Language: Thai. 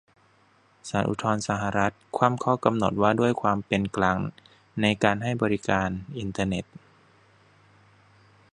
ศาลอุทธรณ์สหรัฐ คว่ำข้อกำหนดว่าด้วยความเป็นกลางในการให้บริการอินเทอร์เน็ต